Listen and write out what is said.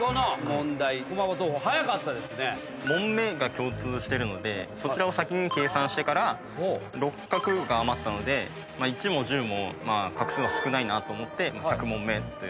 「問目」が共通してるのでそちらを先に計算してから６画が余ったので「一」も「十」も画数は少ないと思って百問目と。